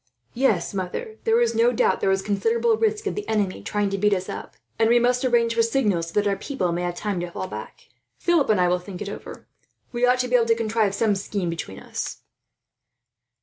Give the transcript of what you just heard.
"Yes, mother, there is no doubt there is considerable risk of the enemy trying to beat us up; and we must arrange for signals, so that our people may have time to fall back here. Philip and I will think it over. We ought to be able to contrive some scheme between us."